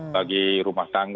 bagi rumah tangga